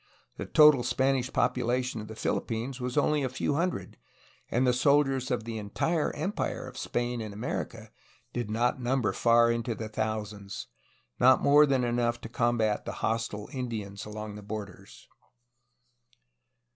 The total Spanish population of the Philippines was only a few hundred, and the soldiers of the entire empire of Spain in America did not number far into the thousands, not more than enough to combat the hostile Indians along the bor ders.